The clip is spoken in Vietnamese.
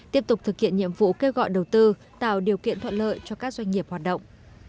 tiếp tục thực hiện nhiệm vụ kêu gọi đầu tư tạo điều kiện thuận lợi cho các doanh nghiệp hoạt động